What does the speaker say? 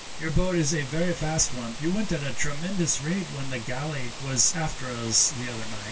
"Your boat is a very fast one. You went at a tremendous rate when the galley was after us the other night."